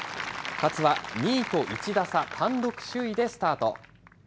勝は２位と１打差、単独首位でスタート。